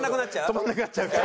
止まらなくなっちゃうから。